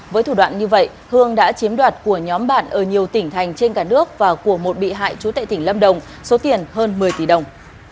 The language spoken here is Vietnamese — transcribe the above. với thủ đoạn như vậy hương đã chiếm đoạt của nhóm bạn ở nhiều tỉnh thành trên cả nước và của một bị hại trú tại tỉnh lâm đồng số tiền hơn một mươi tỷ đồng